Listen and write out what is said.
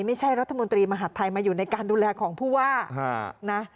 ไม่ใช่รัฐมนตรีมหาดไทยมาอยู่ในการดูแลของผู้ว่านะ